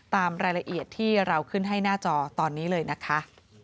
ตามรายละเอียดที่เราขึ้นให้หน้าจอตอนนี้เลยนะคะ